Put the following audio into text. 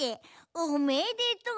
おめでとう！